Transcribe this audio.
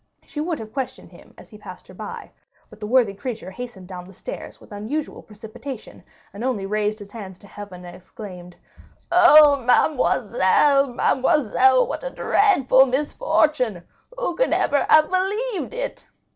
She would have questioned him as he passed by her, but the worthy creature hastened down the staircase with unusual precipitation, and only raised his hands to heaven and exclaimed: "Oh, mademoiselle, mademoiselle, what a dreadful misfortune! Who could ever have believed it!"